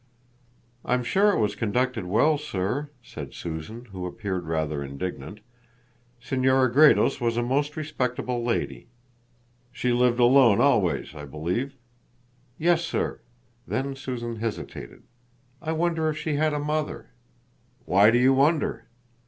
"I'm sure it was conducted well, sir," said Susan, who appeared rather indignant. "Senora Gredos was a most respectable lady." "She lived alone always, I believe?" "Yes, sir." Then Susan hesitated. "I wonder if she had a mother?" "Why do you wonder?"